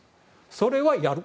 それはやる。